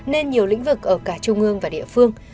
nên nhiều lĩnh vực ở cả trung ương và địa phương